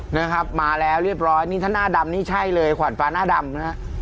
นะครับมาแล้วเรียบร้อยนี่ถ้าหน้าดำนี่ใช่เลยขวานฟ้าหน้าดำนะฮะ